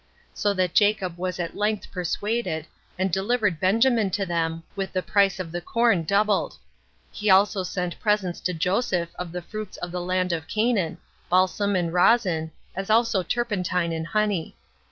So that Jacob was at length persuaded, and delivered Benjamin to them, with the price of the corn doubled; he also sent presents to Joseph of the fruits of the land of Canaan, balsam and rosin, as also turpentine and honey.